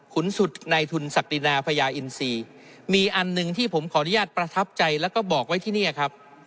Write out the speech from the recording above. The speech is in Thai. สุดในทุนศักดินาพญาอินทรีย์มีอันหนึ่งที่ผมขออนุญาตประทับใจแล้วก็บอกไว้ที่นี่ครับ